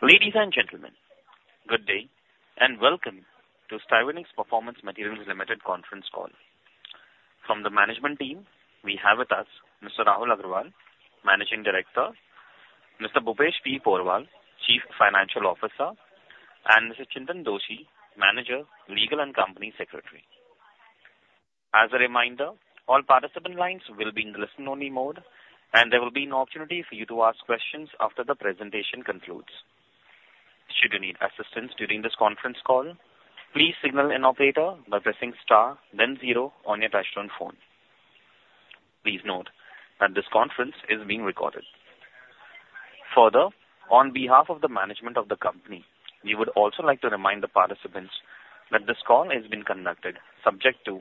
Ladies and gentlemen, good day and welcome to Styrenix Performance Materials Limited conference call. From the management team, we have with us Mr. Rahul Agrawal, Managing Director, Mr. Bhupesh P. Porwal, Chief Financial Officer, and Mr. Chintan Doshi, Manager, Legal and Company Secretary. As a reminder, all participant lines will be in the listen-only mode, and there will be an opportunity for you to ask questions after the presentation concludes. Should you need assistance during this conference call, please signal an operator by pressing star, then zero on your touch-tone phone. Please note that this conference is being recorded. Further, on behalf of the management of the company, we would also like to remind the participants that this call has been conducted subject to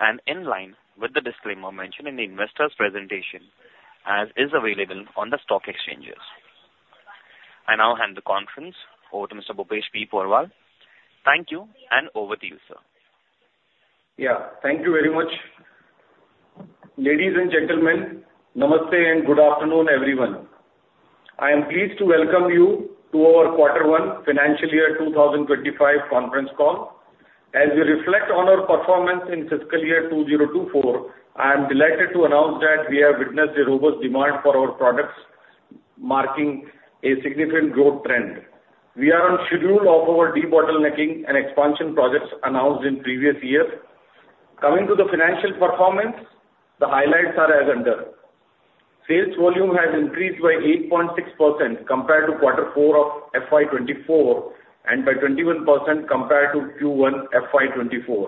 and in line with the disclaimer mentioned in the investor's presentation, as is available on the stock exchanges. I now hand the conference over to Mr. Thank you, and over to you, sir. Yeah, thank you very much. Ladies and gentlemen, namaste and good afternoon, everyone. I am pleased to welcome you to our Quarter One Financial Year 2025 conference call. As we reflect on our performance in fiscal year 2024, I am delighted to announce that we have witnessed a robust demand for our products, marking a significant growth trend. We are on schedule of our de-bottlenecking and expansion projects announced in previous years. Coming to the financial performance, the highlights are as under: sales volume has increased by 8.6% compared to Quarter Four of FY24 and by 21% compared to Q1 FY24.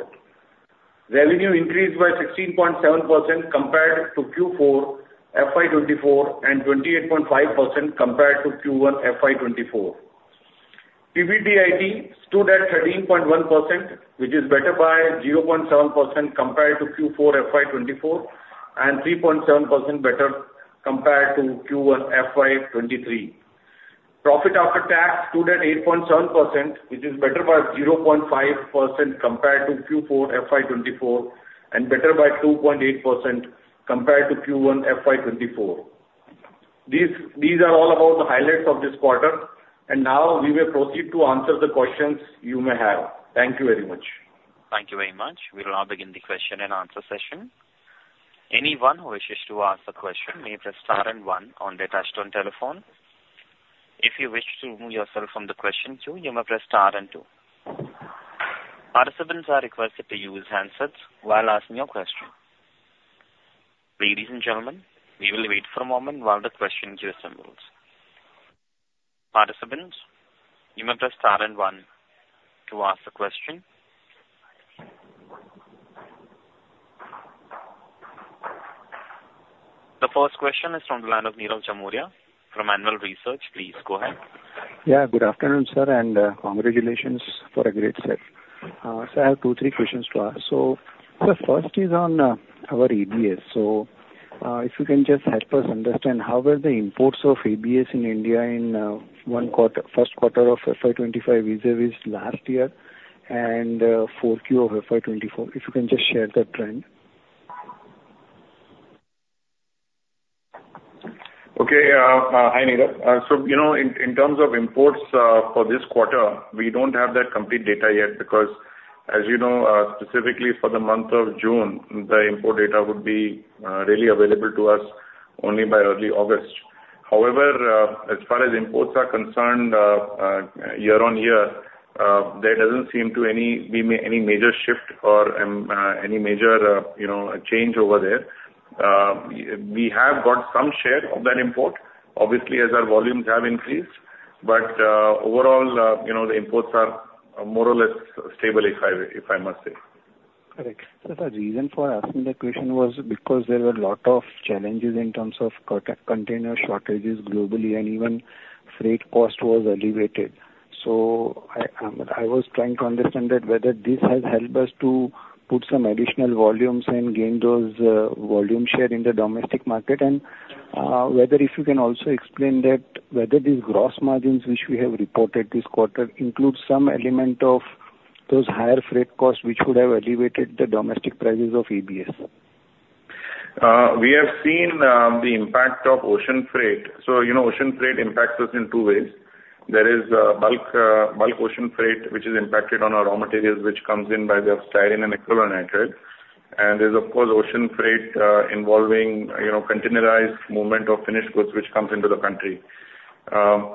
Revenue increased by 16.7% compared to Q4 FY24 and 28.5% compared to Q1 FY24. PBDIT stood at 13.1%, which is better by 0.7% compared to Q4 FY24 and 3.7% better compared to Q1 FY23. Profit after tax stood at 8.7%, which is better by 0.5% compared to Q4 FY24 and better by 2.8% compared to Q1 FY24. These are all about the highlights of this quarter, and now we will proceed to answer the questions you may have. Thank you very much. Thank you very much. We'll now begin the question and answer session. Anyone who wishes to ask a question may press star and one on their touch-tone telephone. If you wish to remove yourself from the question queue, you may press star and two. Participants are requested to use handsets while asking your question. Ladies and gentlemen, we will wait for a moment while the question queue assembles. Participants, you may press star and one to ask a question. The first question is from the line of Nirav Jimudia from Anvil Research. Please go ahead. Yeah, good afternoon, sir, and congratulations for a great set. So I have two, three questions to ask. So the first is on our ABS. So if you can just help us understand how were the imports of ABS in India in Q1, first quarter of FY25 vis-à-vis last year and fourth quarter of FY24. If you can just share the trend. Okay, hi Nirav. So in terms of imports for this quarter, we don't have that complete data yet because, as you know, specifically for the month of June, the import data would be really available to us only by early August. However, as far as imports are concerned, year on year, there doesn't seem to be any major shift or any major change over there. We have got some share of that import, obviously, as our volumes have increased, but overall, the imports are more or less stable, if I must say. Correct, so the reason for asking the question was because there were a lot of challenges in terms of container shortages globally, and even freight cost was elevated, so I was trying to understand that whether this has helped us to put some additional volumes and gain those volume share in the domestic market, and whether if you can also explain that whether these gross margins which we have reported this quarter include some element of those higher freight costs which would have elevated the domestic prices of ABS. We have seen the impact of ocean freight. So ocean freight impacts us in two ways. There is bulk ocean freight which is impacted on our raw materials which comes in by the styrene and acrylonitrile. And there's, of course, ocean freight involving containerized movement of finished goods which comes into the country.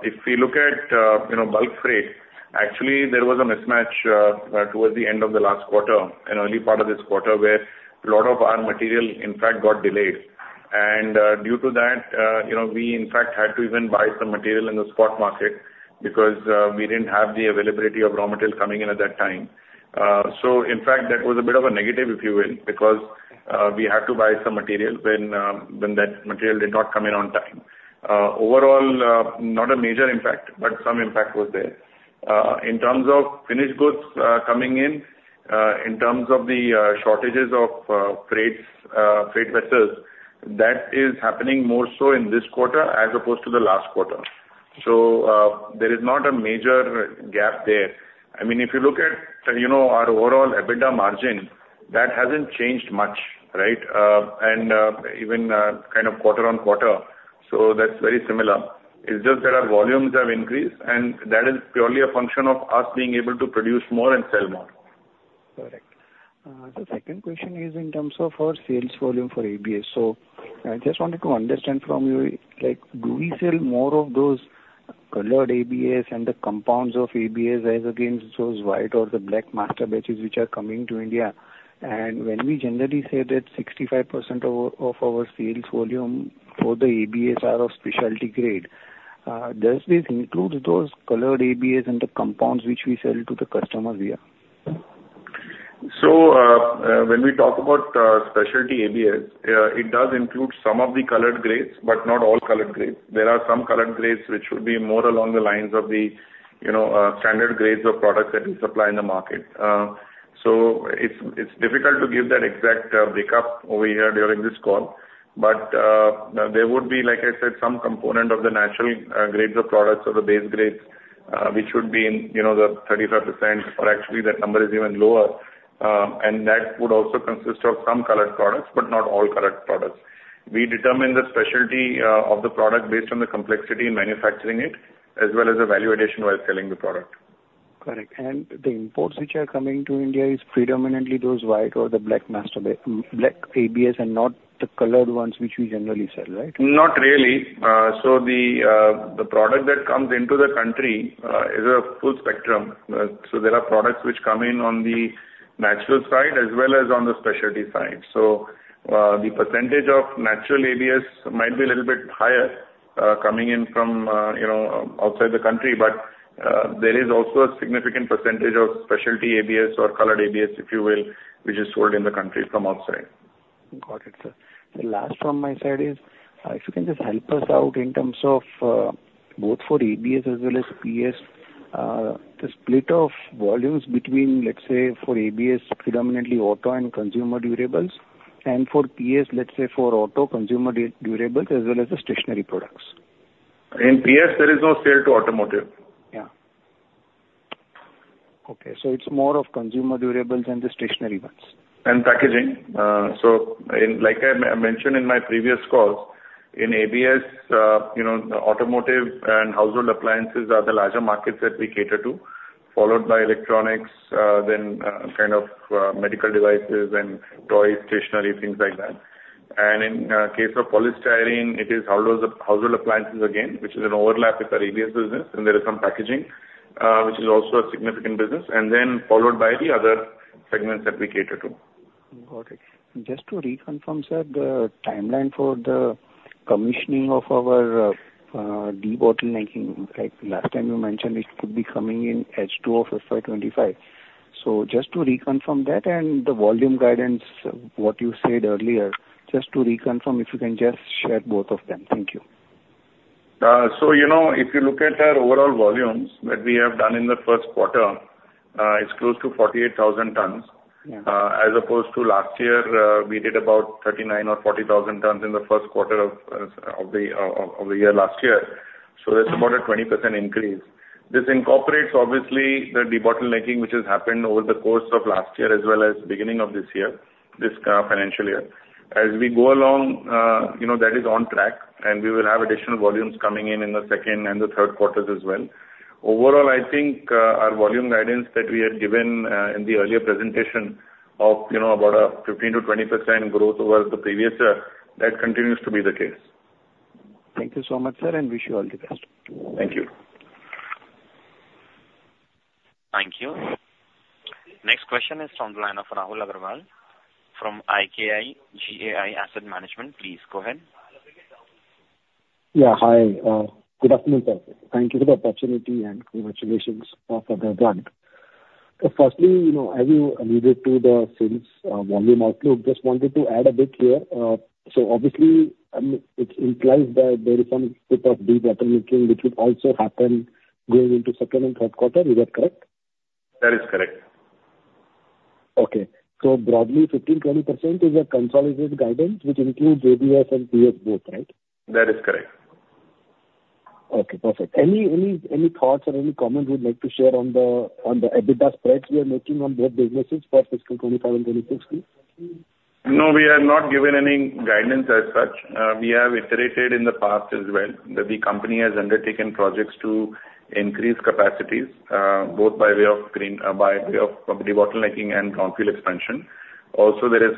If we look at bulk freight, actually, there was a mismatch towards the end of the last quarter, an early part of this quarter, where a lot of our material, in fact, got delayed. And due to that, we, in fact, had to even buy some material in the spot market because we didn't have the availability of raw material coming in at that time. So, in fact, that was a bit of a negative, if you will, because we had to buy some material when that material did not come in on time. Overall, not a major impact, but some impact was there. In terms of finished goods coming in, in terms of the shortages of freight vessels, that is happening more so in this quarter as opposed to the last quarter. So there is not a major gap there. I mean, if you look at our overall EBITDA margin, that hasn't changed much, right? And even kind of quarter on quarter, so that's very similar. It's just that our volumes have increased, and that is purely a function of us being able to produce more and sell more. Correct. The second question is in terms of our sales volume for ABS, so I just wanted to understand from you, do we sell more of those colored ABS and the compounds of ABS as against those white or the black master batches which are coming to India, and when we generally say that 65% of our sales volume for the ABS are of specialty grade, does this include those colored ABS and the compounds which we sell to the customers here? When we talk about specialty ABS, it does include some of the colored grades, but not all colored grades. There are some colored grades which would be more along the lines of the standard grades of products that we supply in the market. It's difficult to give that exact breakup over here during this call, but there would be, like I said, some component of the natural grades of products or the base grades, which would be in the 35%, or actually that number is even lower. That would also consist of some colored products, but not all colored products. We determine the specialty of the product based on the complexity in manufacturing it, as well as the value addition while selling the product. Correct. And the imports which are coming to India is predominantly those white or the black ABS and not the colored ones which we generally sell, right? Not really. So the product that comes into the country is a full spectrum. So there are products which come in on the natural side as well as on the specialty side. So the percentage of natural ABS might be a little bit higher coming in from outside the country, but there is also a significant percentage of specialty ABS or colored ABS, if you will, which is sold in the country from outside. Got it, sir. The last from my side is, if you can just help us out in terms of both for ABS as well as PS, the split of volumes between, let's say, for ABS, predominantly auto and consumer durables, and for PS, let's say, for auto, consumer durables as well as the stationery products. In PS, there is no sale to automotive. Yeah. Okay. So it's more of consumer durables and the stationery ones. And packaging. So, like I mentioned in my previous calls, in ABS, automotive and household appliances are the larger markets that we cater to, followed by electronics, then kind of medical devices and toys, stationery, things like that. And in the case of polystyrene, it is household appliances again, which is an overlap with our ABS business, and there is some packaging, which is also a significant business, and then followed by the other segments that we cater to. Got it. Just to reconfirm, sir, the timeline for the commissioning of our de-bottlenecking, like last time you mentioned, it could be coming in H2 of FY25. So just to reconfirm that and the volume guidance, what you said earlier, just to reconfirm, if you can just share both of them? Thank you. If you look at our overall volumes that we have done in the first quarter, it's close to 48,000 tons. As opposed to last year, we did about 39 or 40,000 tons in the first quarter of the year last year. That's about a 20% increase. This incorporates, obviously, the de-bottlenecking which has happened over the course of last year as well as beginning of this year, this financial year. As we go along, that is on track, and we will have additional volumes coming in in the second and the third quarters as well. Overall, I think our volume guidance that we had given in the earlier presentation of about a 15%-20% growth over the previous year, that continues to be the case. Thank you so much, sir, and wish you all the best. Thank you. Thank you. Next question is from the line of Rahul Agarwal from IKIGAI Asset Management. Please go ahead. Yeah, hi. Good afternoon, sir. Thank you for the opportunity and congratulations for the grant. Firstly, as you alluded to the sales volume outlook, just wanted to add a bit here. So obviously, it implies that there is some bit of de-bottlenecking which would also happen going into second and third quarter. Is that correct? That is correct. Okay. So broadly, 15%-20% is a consolidated guidance which includes ABS and PS both, right? That is correct. Okay. Perfect. Any thoughts or any comment you'd like to share on the EBITDA spreads we are making on both businesses for fiscal 2025 and 2026? No, we have not given any guidance as such. We have iterated in the past as well that the company has undertaken projects to increase capacities, both by way of de-bottlenecking and greenfield expansion. Also, there is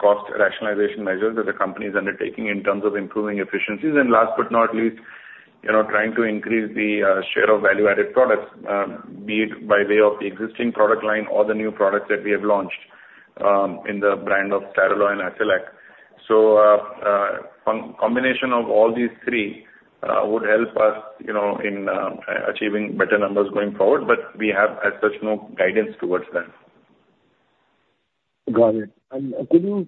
cost rationalization measures that the company is undertaking in terms of improving efficiencies. And last but not least, trying to increase the share of value-added products, be it by way of the existing product line or the new products that we have launched in the brand of Styroloy and Accrelon. So a combination of all these three would help us in achieving better numbers going forward, but we have as such no guidance towards that. Got it. And could you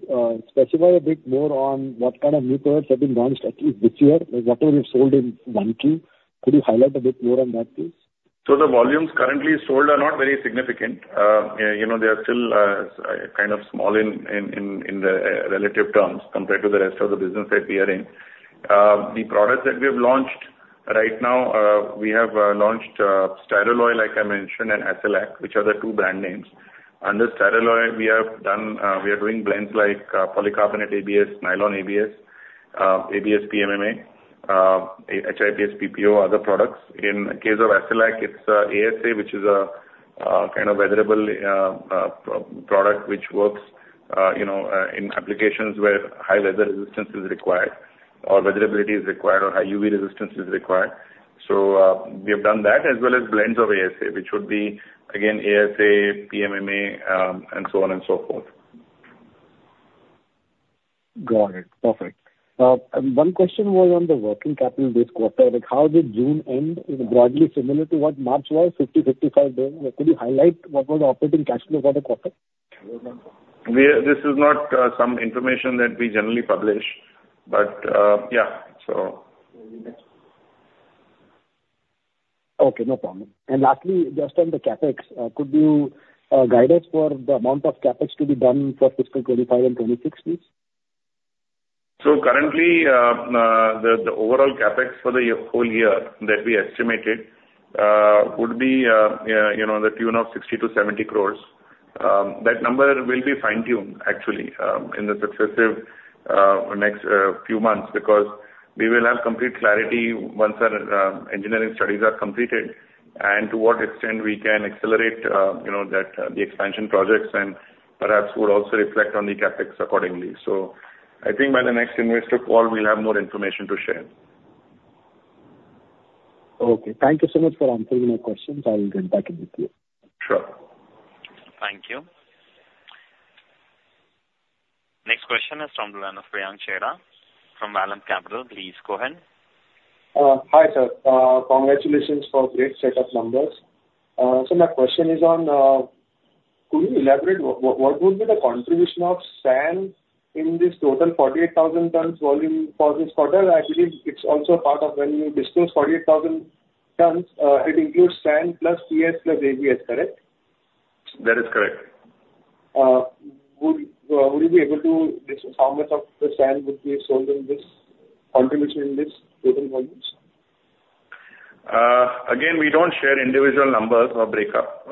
specify a bit more on what kind of new products have been launched this year? What have you sold in 1Q? Could you highlight a bit more on that, please? The volumes currently sold are not very significant. They are still kind of small in relative terms compared to the rest of the business that we are in. The products that we have launched right now, we have launched Styroloy, like I mentioned, and Accrelon, which are the two brand names. Under Styroloy, we are doing blends like Polycarbonate ABS, Nylon ABS, ABS PMMA, HIPS PPO, other products. In the case of Accrelon, it's ASA, which is a kind of weatherable product which works in applications where high weather resistance is required or weatherability is required or high UV resistance is required. We have done that as well as blends of ASA, which would be, again, ASA, PMMA, and so on and so forth. Got it. Perfect. One question was on the working capital this quarter. How did June end? Is it broadly similar to what March was, 50 billion-55 billion? Could you highlight what was the operating cash flow for the quarter? This is not some information that we generally publish, but yeah, so. Okay. No problem, and lastly, just on the CapEx, could you guide us for the amount of CapEx to be done for fiscal 2025 and 2026, please? So currently, the overall CapEx for the whole year that we estimated would be in the tune of 60-70 crores. That number will be fine-tuned, actually, in the successive next few months because we will have complete clarity once our engineering studies are completed and to what extent we can accelerate the expansion projects and perhaps would also reflect on the CapEx accordingly. So I think by the next investor call, we'll have more information to share. Okay. Thank you so much for answering my questions. I will get back in with you. Sure. Thank you. Next question is from the line of Priyank Chheda from Vallum Capital. Please go ahead. Hi, sir. Congratulations for great setup numbers. So my question is on, could you elaborate what would be the contribution of SAN in this total 48,000 tons volume for this quarter? I believe it's also part of when you disclose 48,000 tons, it includes SAN plus PS plus ABS, correct? That is correct. Would you be able to disclose how much of the SAN would be sold in this contribution in this total volumes? Again, we don't share individual numbers or breakup.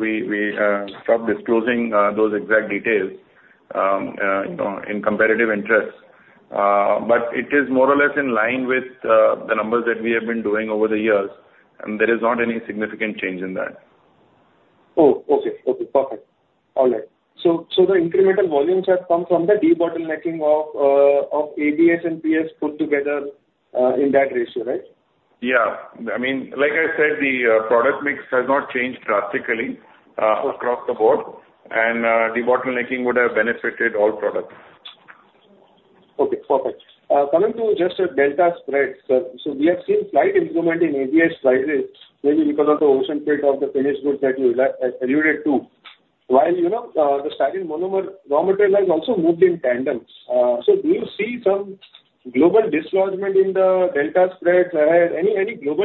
We stop disclosing those exact details in comparative interests. But it is more or less in line with the numbers that we have been doing over the years, and there is not any significant change in that. Oh, okay. Okay. Perfect. All right. So the incremental volumes have come from the de-bottlenecking of ABS and PS put together in that ratio, right? Yeah. I mean, like I said, the product mix has not changed drastically across the board, and de-bottlenecking would have benefited all products. Okay. Perfect. Coming to just a delta spread, sir, so we have seen slight improvement in ABS prices, maybe because of the ocean freight of the finished goods that you alluded to. While the styrene monomer raw material has also moved in tandem. So do you see some global dislocation in the delta spreads ahead? Any global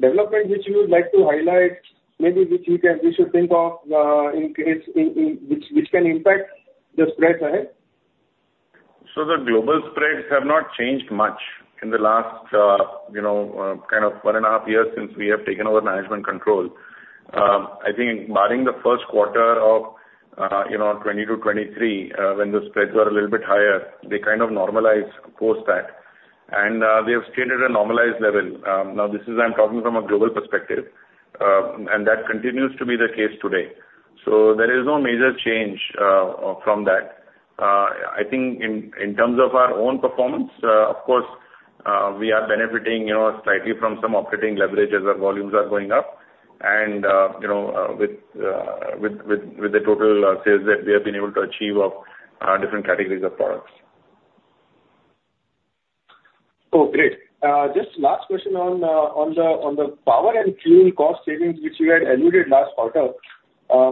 development which you would like to highlight, maybe which we should think of, which can impact the spreads ahead? So the global spreads have not changed much in the last kind of one and a half years since we have taken over management control. I think barring the first quarter of 2020 to 2023, when the spreads were a little bit higher, they kind of normalized post that. And they have stayed at a normalized level. Now, this is, I'm talking from a global perspective, and that continues to be the case today. So there is no major change from that. I think in terms of our own performance, of course, we are benefiting slightly from some operating leverage as our volumes are going up and with the total sales that we have been able to achieve of different categories of products. Oh, great. Just last question on the power and fuel cost savings which you had alluded to last quarter,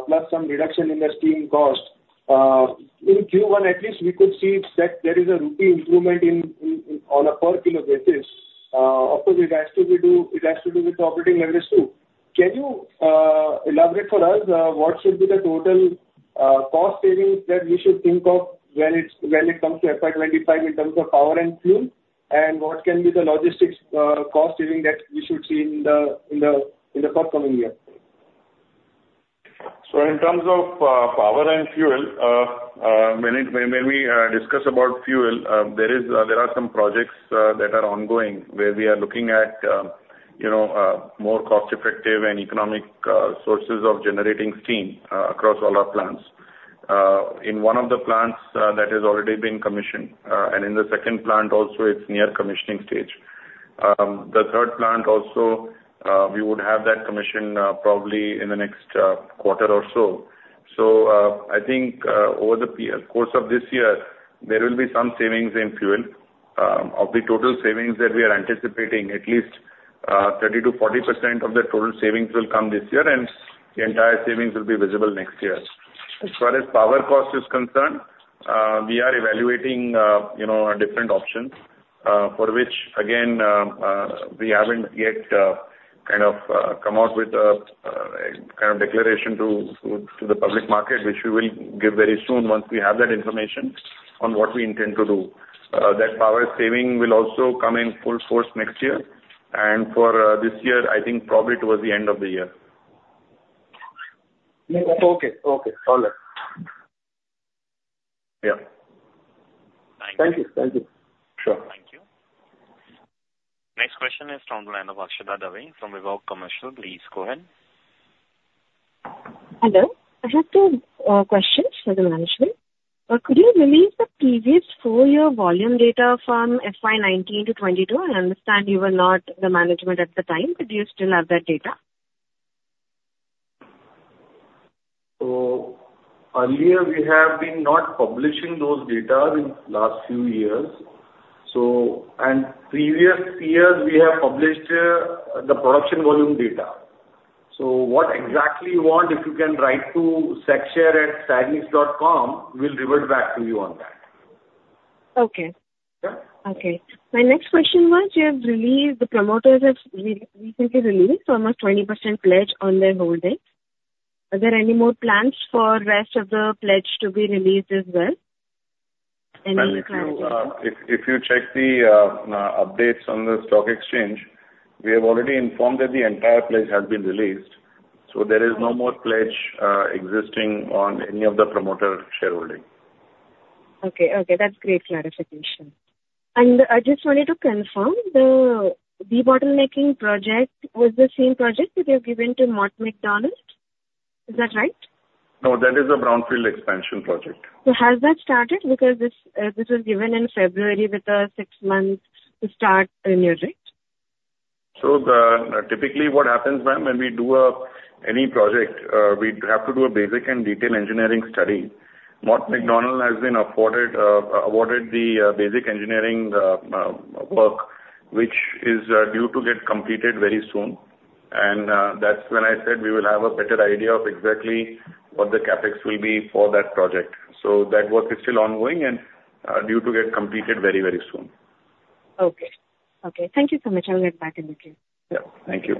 plus some reduction in the steam cost. In Q1, at least, we could see that there is a robust improvement on a per kilo basis. Of course, it has to do with the operating leverage too. Can you elaborate for us what should be the total cost savings that we should think of when it comes to FY25 in terms of power and fuel? And what can be the logistics cost savings that we should see in the forthcoming year? So in terms of power and fuel, when we discuss about fuel, there are some projects that are ongoing where we are looking at more cost-effective and economic sources of generating steam across all our plants. In one of the plants, that has already been commissioned, and in the second plant also, it's near commissioning stage. The third plant also, we would have that commission probably in the next quarter or so. So I think over the course of this year, there will be some savings in fuel. Of the total savings that we are anticipating, at least 30%-40% of the total savings will come this year, and the entire savings will be visible next year. As far as power cost is concerned, we are evaluating different options for which, again, we haven't yet kind of come out with a kind of declaration to the public market, which we will give very soon once we have that information on what we intend to do. That power saving will also come in full force next year, and for this year, I think probably towards the end of the year. Okay. Okay. All right. Yeah. Thank you. Thank you. Thank you. Sure. Thank you. Next question is from the line of Akshita Dave from Vivek Commercial. Please go ahead. Hello. I have two questions for the management. Could you release the previous four-year volume data from FY2019 to FY2022? I understand you were not the management at the time. Could you still have that data? So earlier, we have been not publishing those data in the last few years. And previous years, we have published the production volume data. So what exactly you want, if you can write to secshare@styrenix.com, we'll revert back to you on that. Okay. My next question was, the promoters have recently released almost 20% pledge on their holding. Are there any more plans for the rest of the pledge to be released as well? Any clarity? If you check the updates on the stock exchange, we have already informed that the entire pledge has been released, so there is no more pledge existing on any of the promoter shareholding. Okay. Okay. That's great clarification. And I just wanted to confirm, the de-bottlenecking project was the same project that you have given to Mott MacDonald? Is that right? No, that is a greenfield expansion project. So has that started? Because this was given in February with a six-month start renewal, right? So typically, what happens, ma'am, when we do any project, we have to do a basic and detailed engineering study. Mott MacDonald has been awarded the basic engineering work, which is due to get completed very soon. And that's when I said we will have a better idea of exactly what the CapEx will be for that project. So that work is still ongoing and due to get completed very, very soon. Okay. Okay. Thank you so much. I'll get back in with you. Yeah. Thank you.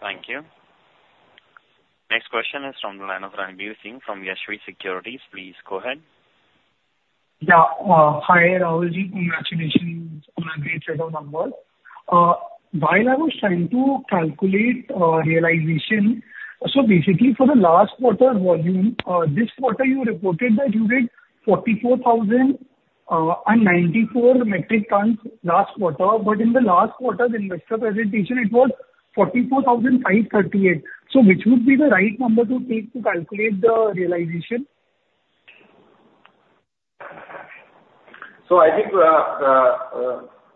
Thank you. Next question is from the line of Ranbir Singh from Yashvi Securities. Please go ahead. Yeah. Hi, Rawalji. Congratulations on a great set of numbers. While I was trying to calculate realization, so basically, for the last quarter volume, this quarter, you reported that you did 44,094 metric tons last quarter. But in the last quarter, the investor presentation, it was 44,538. So which would be the right number to take to calculate the realization? So I think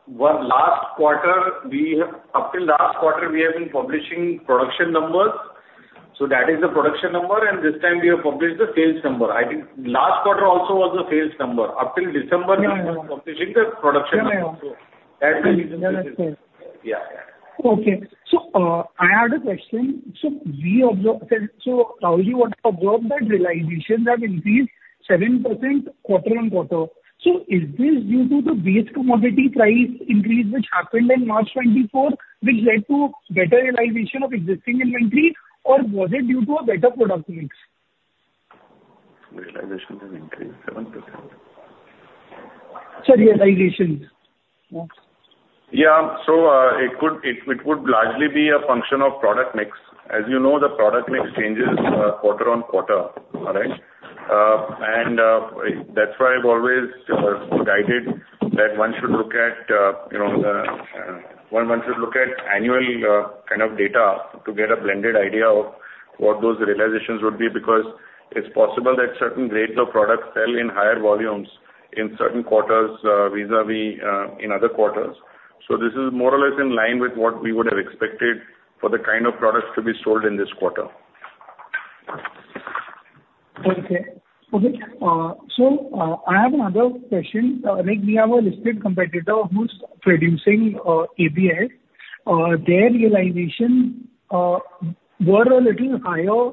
last quarter, up till last quarter, we have been publishing production numbers. So that is the production number. And this time, we have published the sales number. I think last quarter also was the sales number. Up till December, we were publishing the production number. Yeah. Yeah. That's the reason that it is. Yeah. Yeah. Okay. So I had a question. So Rahulji would observe that realization that increased 7% quarter on quarter. So is this due to the base commodity price increase which happened in March 2024, which led to better realization of existing inventory, or was it due to a better product mix? Realization has increased 7%. Sir, realization? Yeah. So it could largely be a function of product mix. As you know, the product mix changes quarter on quarter, all right? And that's why I've always guided that one should look at annual kind of data to get a blended idea of what those realizations would be because it's possible that certain grades of products sell in higher volumes in certain quarters vis-à-vis in other quarters. So this is more or less in line with what we would have expected for the kind of products to be sold in this quarter. Okay. So I have another question. We have a listed competitor who's producing ABS. Their realizations were a little higher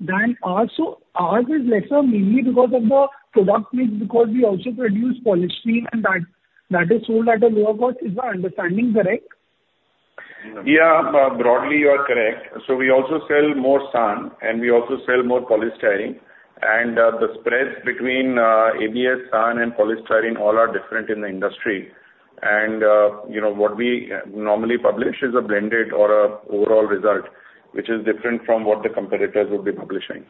than ours. So ours is lesser mainly because of the product mix because we also produce polystyrene and that is sold at a lower cost. Is my understanding correct? Yeah. Broadly, you are correct. So we also sell more SAN, and we also sell more polystyrene. And the spreads between ABS, SAN, and polystyrene all are different in the industry. And what we normally publish is a blended or an overall result, which is different from what the competitors would be publishing.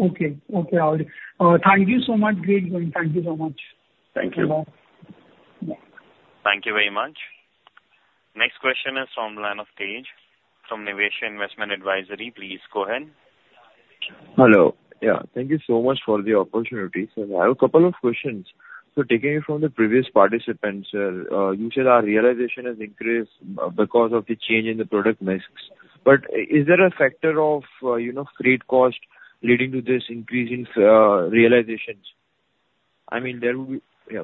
Okay. All right. Thank you so much. Great job. Thank you so much. Thank you. Bye-bye. Bye. Thank you very much. Next question is from the line of Tejas from Nivesh Investment Advisory. Please go ahead. Hello. Yeah. Thank you so much for the opportunity. So I have a couple of questions. So taking it from the previous participants, you said our realization has increased because of the change in the product mix. But is there a factor of freight cost leading to this increase in realizations? I mean, there would be yeah.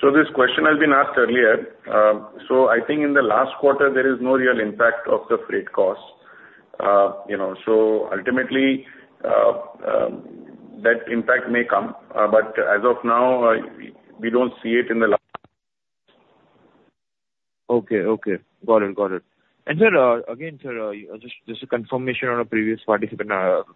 So this question has been asked earlier. So I think in the last quarter, there is no real impact of the freight cost. So ultimately, that impact may come. But as of now, we don't see it in the last. Okay. Got it. And again, sir, just a confirmation on a previous participant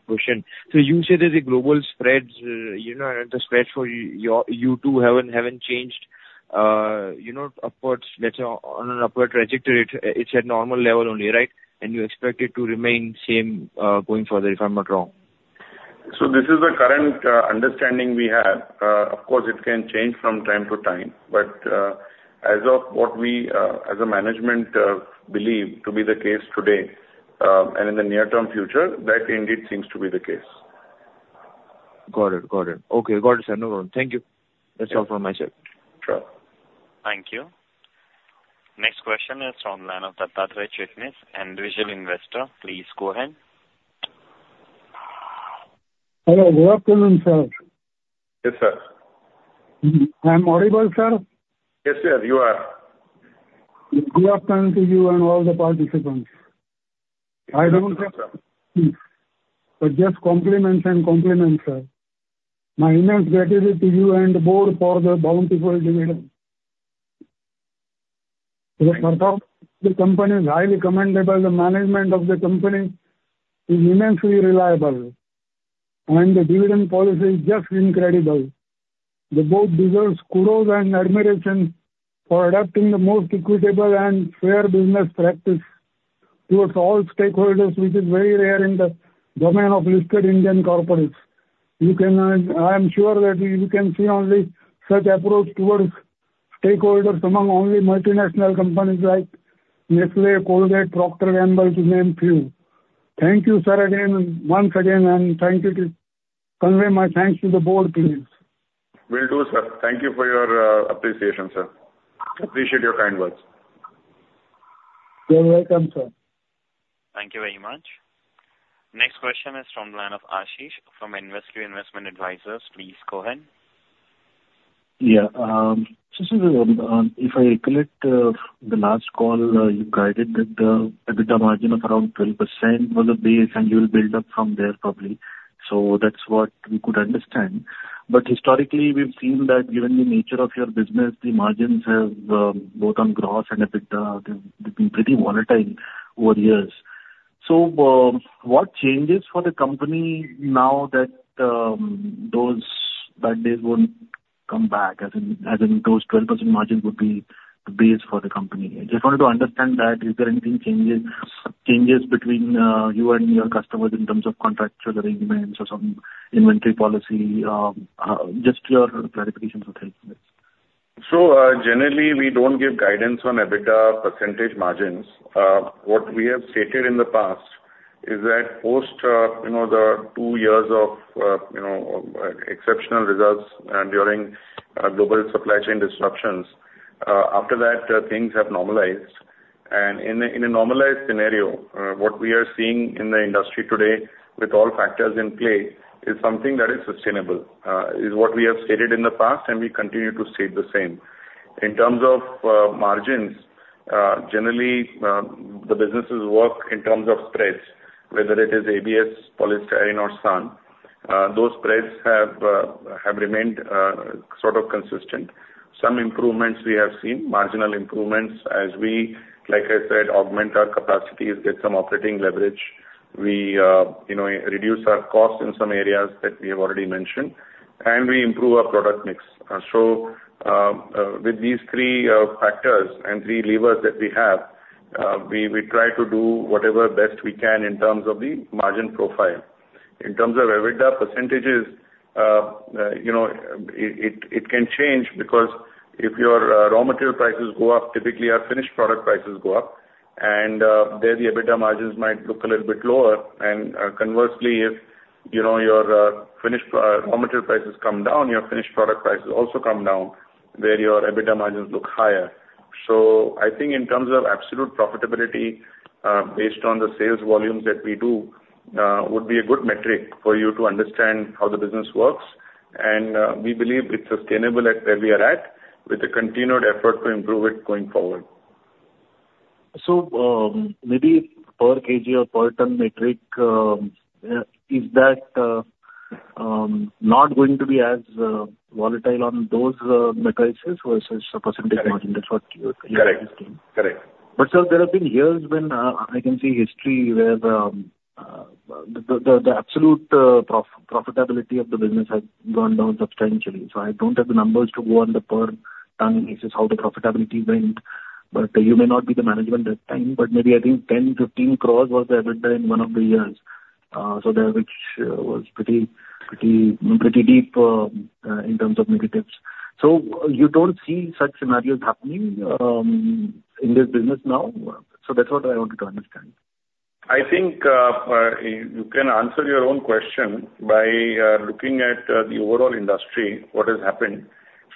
question. So you said there's a global spread, and the spreads for you two haven't changed upwards, let's say, on an upward trajectory. It's at normal level only, right? And you expect it to remain same going further, if I'm not wrong. So this is the current understanding we have. Of course, it can change from time to time. But as of what we, as a management, believe to be the case today and in the near-term future, that indeed seems to be the case. Got it. Got it. Okay. Got it, sir. No problem. Thank you. That's all from my side. Sure. Thank you. Next question is from the line of Dattaraj Chetnis and Individual Investor. Please go ahead. Hello. Good afternoon, sir. Yes, sir. I'm audible, sir. Yes, sir. You are. Good afternoon to you and all the participants. I don't think so. But just compliments and compliments, sir. My immense gratitude to you and the board for the bountiful dividend. The company is highly commendable. The management of the company is immensely reliable, and the dividend policy is just incredible. The board deserves kudos and admiration for adopting the most equitable and fair business practice towards all stakeholders, which is very rare in the domain of listed Indian corporates. I am sure that you can see only such approach towards stakeholders among only multinational companies like Nestlé, Colgate, Procter & Gamble, to name a few. Thank you, sir, again, once again, and thank you to convey my thanks to the board, please. Will do, sir. Thank you for your appreciation, sir. Appreciate your kind words. You're welcome, sir. Thank you very much. Next question is from the line of Ashish from InvesQ Investment Advisors. Please go ahead. Yeah. So sir, if I recollect the last call, you guided that the EBITDA margin of around 12% was a base, and you will build up from there probably. So that's what we could understand. But historically, we've seen that given the nature of your business, the margins have both on gross and EBITDA, they've been pretty volatile over the years. So what changes for the company now that those bad days won't come back, as in those 12% margin would be the base for the company? I just wanted to understand that. Is there anything changes between you and your customers in terms of contractual arrangements or some inventory policy? Just your clarifications would help with this. Generally, we don't give guidance on EBITDA percentage margins. What we have stated in the past is that post the two years of exceptional results during global supply chain disruptions, after that, things have normalized. In a normalized scenario, what we are seeing in the industry today, with all factors in play, is something that is sustainable, is what we have stated in the past, and we continue to state the same. In terms of margins, generally, the businesses work in terms of spreads, whether it is ABS, polystyrene, or SAN. Those spreads have remained sort of consistent. Some improvements we have seen, marginal improvements, as we, like I said, augment our capacities, get some operating leverage. We reduce our cost in some areas that we have already mentioned, and we improve our product mix. So with these three factors and three levers that we have, we try to do whatever best we can in terms of the margin profile. In terms of EBITDA percentages, it can change because if your raw material prices go up, typically, our finished product prices go up, and then the EBITDA margins might look a little bit lower. And conversely, if your finished raw material prices come down, your finished product prices also come down, then your EBITDA margins look higher. So I think in terms of absolute profitability, based on the sales volumes that we do, would be a good metric for you to understand how the business works. And we believe it's sustainable at where we are at with the continued effort to improve it going forward. So maybe per kg or per ton metric, is that not going to be as volatile on those metrics versus the percentage margin? That's what you're asking. Correct. Correct. But sir, there have been years when I can see history where the absolute profitability of the business has gone down substantially. So I don't have the numbers to go on the per ton basis how the profitability went. But you may not be the management at that time, but maybe I think 10-15 crores was the EBITDA in one of the years. So that which was pretty deep in terms of negatives. So you don't see such scenarios happening in this business now? So that's what I wanted to understand. I think you can answer your own question by looking at the overall industry, what has happened.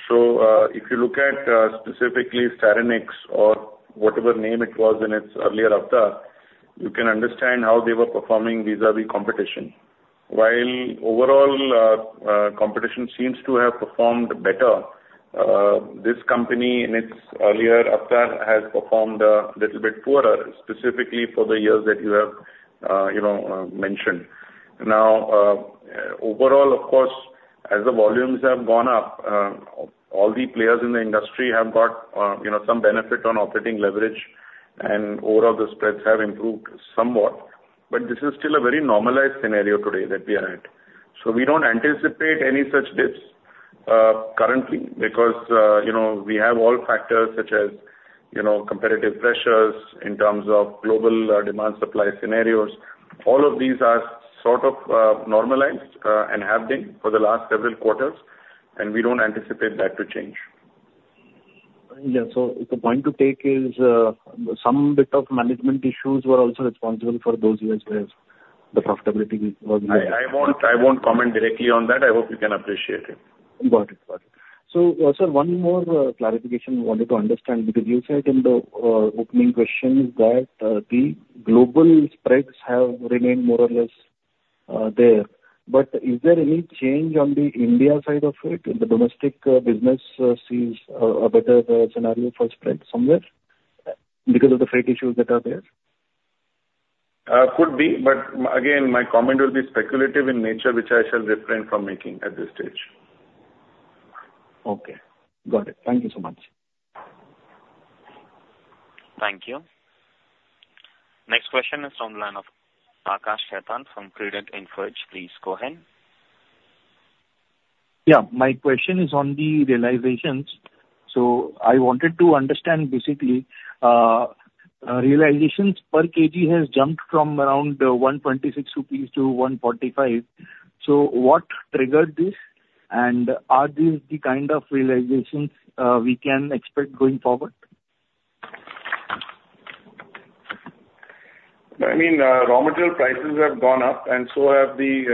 So if you look at specifically Styrenix or whatever name it was in its earlier avatar, you can understand how they were performing vis-à-vis competition. While overall competition seems to have performed better, this company in its earlier avatar has performed a little bit poorer, specifically for the years that you have mentioned. Now, overall, of course, as the volumes have gone up, all the players in the industry have got some benefit on operating leverage, and overall, the spreads have improved somewhat. But this is still a very normalized scenario today that we are at. So we don't anticipate any such dips currently because we have all factors such as competitive pressures in terms of global demand supply scenarios. All of these are sort of normalized and have been for the last several quarters, and we don't anticipate that to change. Yeah, so the point to take is some bit of management issues were also responsible for those years where the profitability was lower. I won't comment directly on that. I hope you can appreciate it. Got it. Got it. So sir, one more clarification I wanted to understand because you said in the opening question that the global spreads have remained more or less there. But is there any change on the India side of it? The domestic business sees a better scenario for spreads somewhere because of the freight issues that are there? Could be. But again, my comment will be speculative in nature, which I shall refrain from making at this stage. Okay. Got it. Thank you so much. Thank you. Next question is from the line of Akash Chetan from Credent Asset Management. Please go ahead. Yeah. My question is on the realizations. So I wanted to understand, basically, realizations per kg has jumped from around 126 rupees to 145. So what triggered this? And are these the kind of realizations we can expect going forward? I mean, raw material prices have gone up, and so have the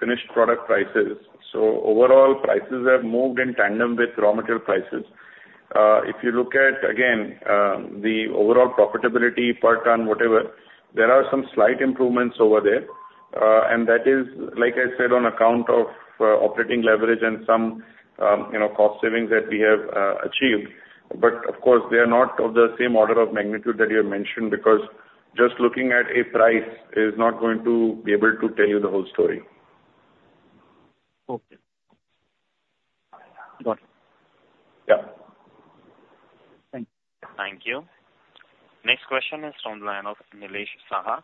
finished product prices. So overall, prices have moved in tandem with raw material prices. If you look at, again, the overall profitability per ton, whatever, there are some slight improvements over there. And that is, like I said, on account of operating leverage and some cost savings that we have achieved. But of course, they are not of the same order of magnitude that you have mentioned because just looking at a price is not going to be able to tell you the whole story. Okay. Got it. Yeah. Thank you. Thank you. Next question is from the line of Nilesh Saha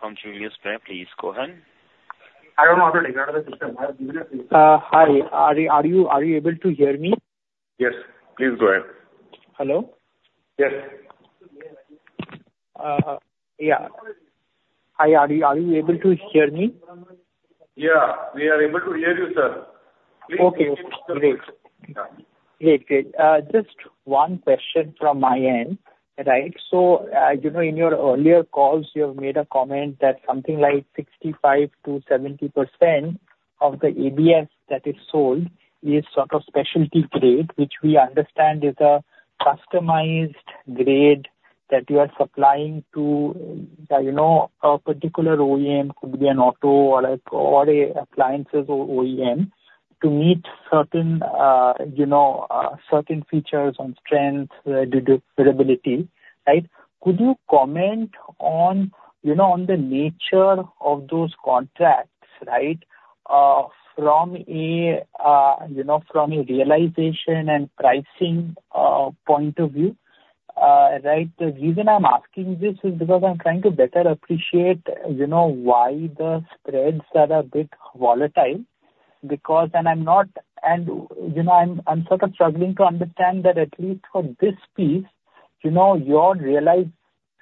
from Julius Baer. Please go ahead. I don't know how to take care of the system. I have given a few. Hi. Are you able to hear me? Yes. Please go ahead. Hello? Yes. Yeah. Hi. Are you able to hear me? Yeah. We are able to hear you, sir. Please go ahead. Okay. Great. Great. Just one question from my end, right? So in your earlier calls, you have made a comment that something like 65%-70% of the ABS that is sold is sort of specialty grade, which we understand is a customized grade that you are supplying to a particular OEM, could be an auto or appliances OEM, to meet certain features on strength, durability, right? Could you comment on the nature of those contracts, right, from a realization and pricing point of view, right? The reason I'm asking this is because I'm trying to better appreciate why the spreads are a bit volatile. I'm sort of struggling to understand that at least for this piece, your realization,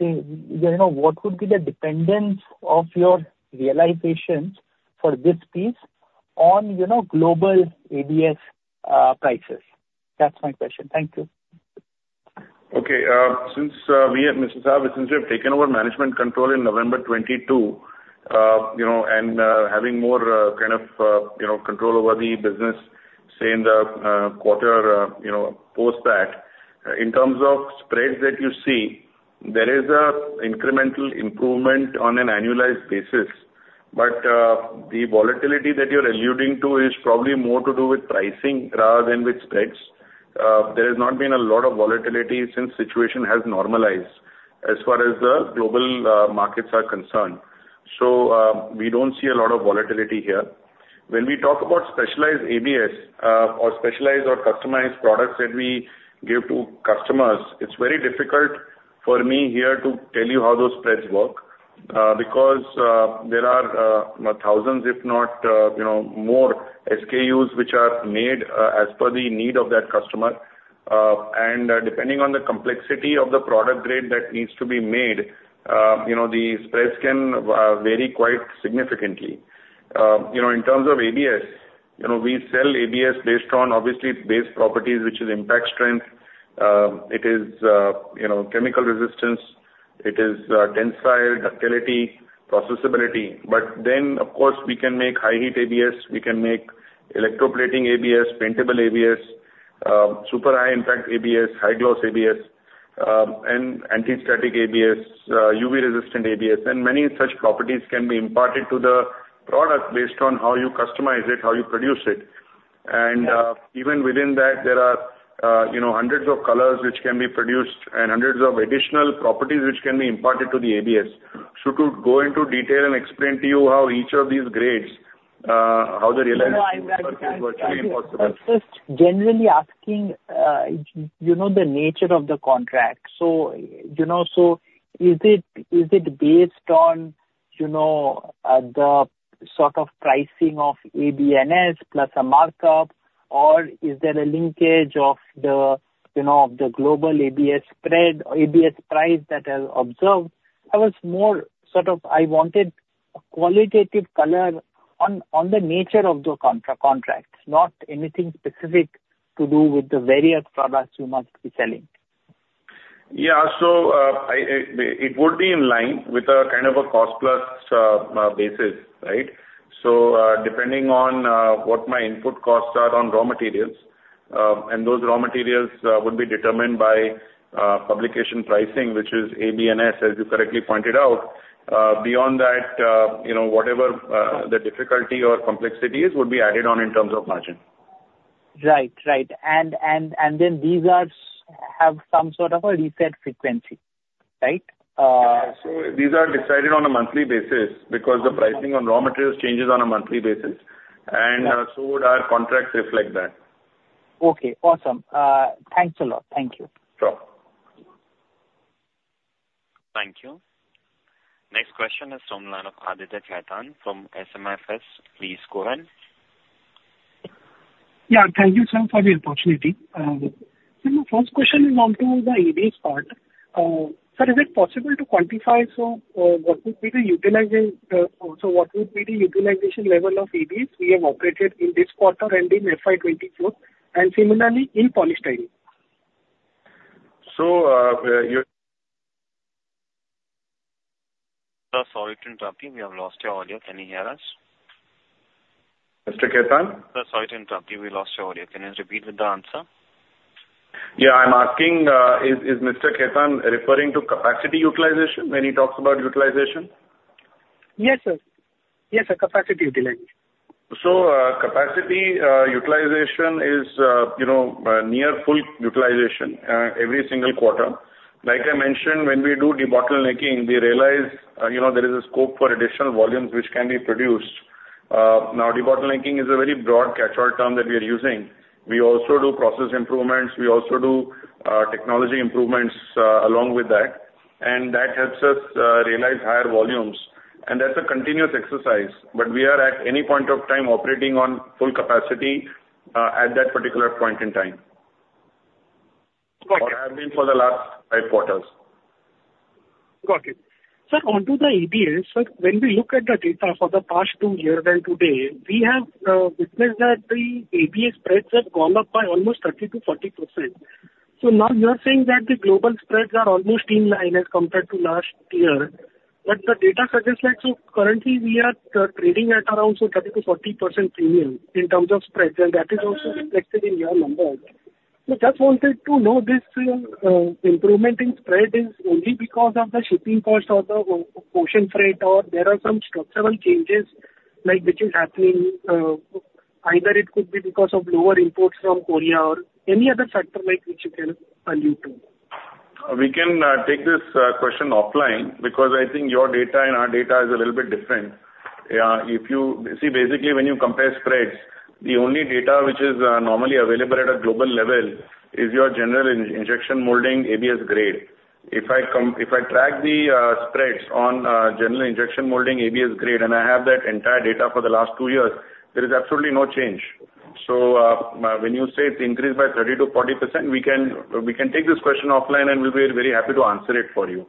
what would be the dependence of your realizations for this piece on global ABS prices? That's my question. Thank you. Okay. Since we at Styrenix, since we have taken over management control in November 2022 and having more kind of control over the business, say, in the quarter post that, in terms of spreads that you see, there is an incremental improvement on an annualized basis. But the volatility that you're alluding to is probably more to do with pricing rather than with spreads. There has not been a lot of volatility since the situation has normalized as far as the global markets are concerned. So we don't see a lot of volatility here. When we talk about specialized ABS or specialized or customized products that we give to customers, it's very difficult for me here to tell you how those spreads work because there are thousands, if not more, SKUs which are made as per the need of that customer. Depending on the complexity of the product grade that needs to be made, the spreads can vary quite significantly. In terms of ABS, we sell ABS based on, obviously, its base properties, which is impact strength. It is chemical resistance. It is tensile, ductility, processability. But then, of course, we can make high-heat ABS. We can make electroplating ABS, paintable ABS, super high-impact ABS, high-gloss ABS, and anti-static ABS, UV-resistant ABS, and many such properties can be imparted to the product based on how you customize it, how you produce it. Even within that, there are hundreds of colors which can be produced and hundreds of additional properties which can be imparted to the ABS. Should we go into detail and explain to you how each of these grades, how the realization is virtually impossible? I'm just generally asking the nature of the contract. So is it based on the sort of pricing of ABS plus a markup, or is there a linkage of the global ABS spread or ABS price that I observed? I was more sort of I wanted a qualitative color on the nature of the contract, not anything specific to do with the various products you must be selling. Yeah. So it would be in line with a kind of a cost-plus basis, right? So depending on what my input costs are on raw materials, and those raw materials would be determined by publication pricing, which is ABS, as you correctly pointed out. Beyond that, whatever the difficulty or complexity is, would be added on in terms of margin. Right. Right. And then these have some sort of a reset frequency, right? Yeah, so these are decided on a monthly basis because the pricing on raw materials changes on a monthly basis, and so would our contracts reflect that. Okay. Awesome. Thanks a lot. Thank you. Sure. Thank you. Next question is from the line of Aditya Khetan from SMIFS. Please go ahead. Yeah. Thank you, sir, for the opportunity. So my first question is onto the ABS part. Sir, is it possible to quantify what would be the utilization level of ABS we have operated in this quarter and in FY24 and similarly in polystyrene? So you. Sir, sorry to interrupt you. We have lost your audio. Can you hear us? Mr. Khetan? Sir, sorry to interrupt you. We lost your audio. Can you repeat the answer? Yeah. I'm asking, is Mr. Khetan referring to capacity utilization when he talks about utilization? Yes, sir. Yes, sir. Capacity utilization. Capacity utilization is near full utilization every single quarter. Like I mentioned, when we do de-bottlenecking, we realize there is a scope for additional volumes which can be produced. Now, de-bottlenecking is a very broad catchall term that we are using. We also do process improvements. We also do technology improvements along with that. That helps us realize higher volumes. That's a continuous exercise. We are at any point of time operating on full capacity at that particular point in time, or have been for the last five quarters. Got it. Sir, onto the ABS, sir, when we look at the data for the past two years and today, we have witnessed that the ABS spreads have gone up by almost 30%-40%. So now you are saying that the global spreads are almost in line as compared to last year. But the data suggests that, so currently we are trading at around 30%-40% premium in terms of spreads. And that is also reflected in your numbers. So just wanted to know this improvement in spread is only because of the shipping cost or the ocean freight or there are some structural changes which is happening. Either it could be because of lower imports from Korea or any other factor which you can allude to. We can take this question offline because I think your data and our data is a little bit different. See, basically, when you compare spreads, the only data which is normally available at a global level is your general injection molding ABS grade. If I track the spreads on general injection molding ABS grade and I have that entire data for the last two years, there is absolutely no change. So when you say it's increased by 30%-40%, we can take this question offline and we'll be very happy to answer it for you.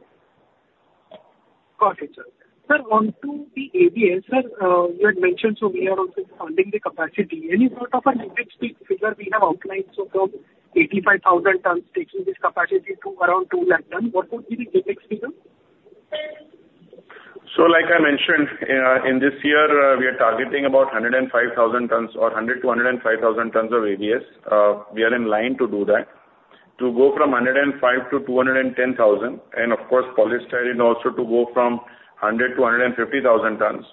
Got it, sir. Sir, onto the ABS, sir. You had mentioned so we are also funding the capacity. Any sort of a CapEx figure we have outlined? So from 85,000 tons taking this capacity to around 2 lakh tons, what would be the CapEx figure? So like I mentioned, in this year, we are targeting about 105,000 tons or 100 to 105,000 tons of ABS. We are in line to do that, to go from 105 to 210,000. And of course, Polystyrene also to go from 100 to 150,000 tons.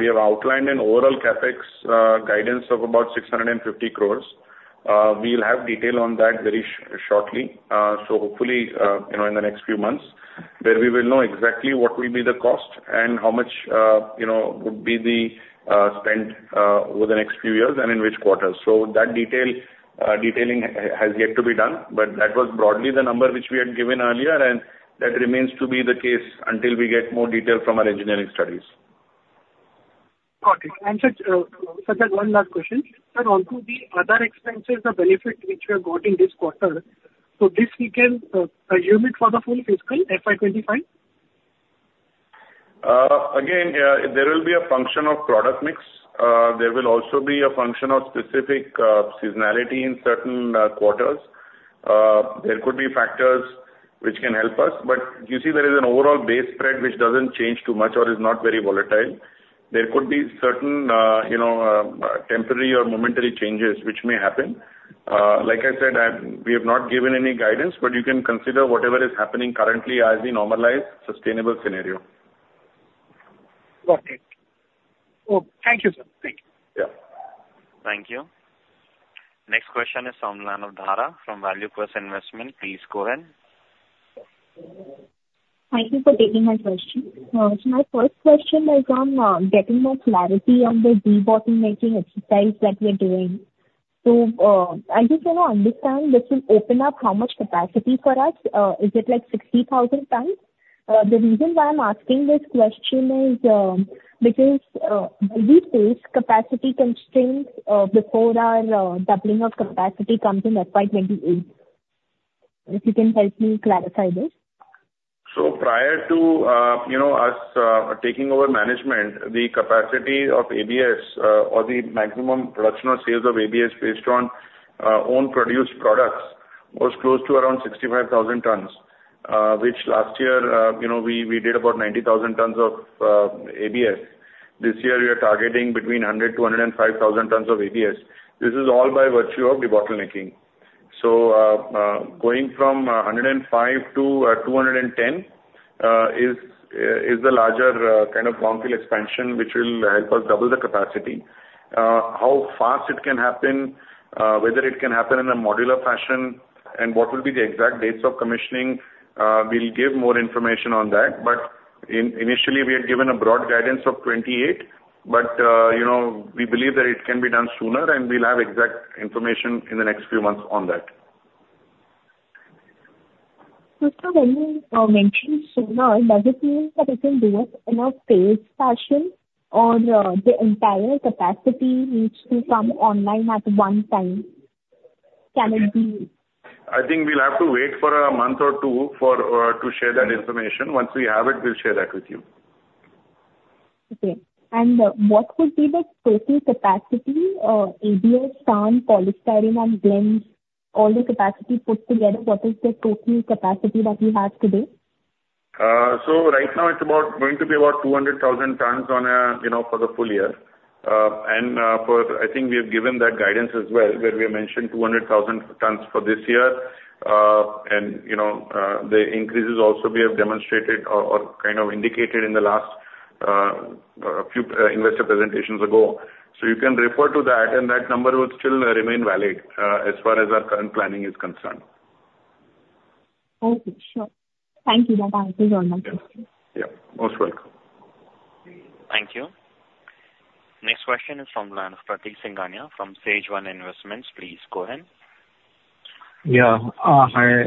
We have outlined an overall CapEx guidance of about 650 crores. We'll have detail on that very shortly. So hopefully, in the next few months, where we will know exactly what will be the cost and how much would be the spend over the next few years and in which quarters. So that detailing has yet to be done. But that was broadly the number which we had given earlier, and that remains to be the case until we get more detail from our engineering studies. Got it. And, sir, just one last question. Sir, onto the other expenses, the benefit which we have got in this quarter, so this we can assume it for the full fiscal FY25? Again, there will be a function of product mix. There will also be a function of specific seasonality in certain quarters. There could be factors which can help us. But you see, there is an overall base spread which doesn't change too much or is not very volatile. There could be certain temporary or momentary changes which may happen. Like I said, we have not given any guidance, but you can consider whatever is happening currently as the normalized sustainable scenario. Got it. Oh, thank you, sir. Thank you. Yeah. Thank you. Next question is from Dhara Patwa from ValueQuest Investment Advisors. Please go ahead. Thank you for taking my question. So my first question is on getting more clarity on the debottlenecking exercise that we're doing. So I just want to understand this will open up how much capacity for us? Is it like 60,000 tons? The reason why I'm asking this question is because we face capacity constraints before our doubling of capacity comes in FY28. If you can help me clarify this? Prior to us taking over management, the capacity of ABS or the maximum production or sales of ABS based on own-produced products was close to around 65,000 tons, which last year we did about 90,000 tons of ABS. This year, we are targeting between 100-105,000 tons of ABS. This is all by virtue of de-bottlenecking. Going from 105 to 210 is the larger kind of long-tail expansion which will help us double the capacity. How fast it can happen, whether it can happen in a modular fashion, and what will be the exact dates of commissioning, we'll give more information on that. Initially, we had given a broad guidance of 28, but we believe that it can be done sooner, and we'll have exact information in the next few months on that. When you mentioned sooner, does it mean that it will do it in a phased fashion or the entire capacity needs to come online at one time? Can it be? I think we'll have to wait for a month or two to share that information. Once we have it, we'll share that with you. Okay. And what would be the total capacity? ABS, SAN, Polystyrene, and blends, all the capacity put together, what is the total capacity that we have today? So right now, it's going to be about 200,000 tons for the full year. And I think we have given that guidance as well, where we have mentioned 200,000 tons for this year. And the increases also we have demonstrated or kind of indicated in the last few investor presentations ago. So you can refer to that, and that number will still remain valid as far as our current planning is concerned. Okay. Sure. Thank you, sir. Thank you very much. Yeah. Most welcome. Thank you. Next question is from Pratik Singhania from SageOne Investment Managers. Please go ahead. Yeah. Hi,